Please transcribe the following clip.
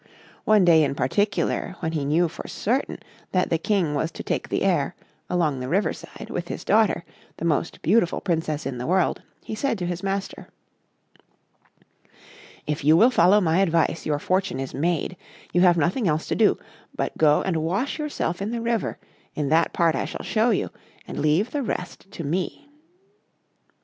One day in particular, when he knew for certain that the King was to take the air, along the river side, with his daughter, the most beautiful Princess in the world, he said to his master: "If you will follow my advice, your fortune is made; you have nothing else to do, but go and wash yourself in the river, in that part I shall shew you, and leave the rest to me."